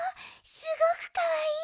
すごくかわいい！